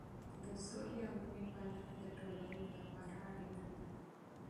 د سولې او مینې پالنه د ټولنې لپاره ضروري ده.